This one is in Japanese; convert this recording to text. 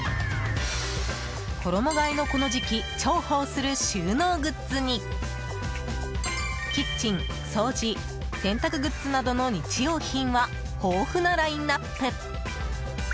衣替えのこの時期重宝する収納グッズにキッチン、掃除洗濯グッズなどの日用品は豊富なラインアップ。